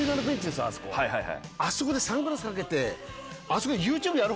あそこでサングラスかけて。